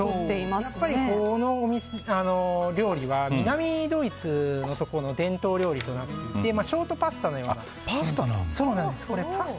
やっぱりこの料理は南ドイツの伝統料理となっていてショートパスタのような。